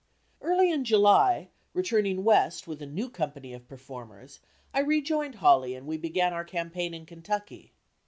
Early in July, returning west with a new company of performers, I rejoined Hawley and we began our campaign in Kentucky.